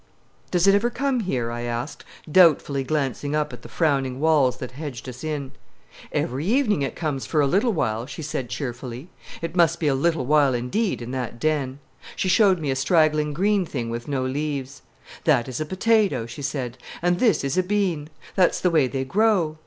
"Does it ever come here?" I asked, doubtfully glancing up at the frowning walls that hedged us in. "Every evening it comes for a little while," she said cheerfully. It must be a little while indeed, in that den. She showed me a straggling green thing with no leaves. "That is a potato," she said, "and this is a bean. That's the way they grow."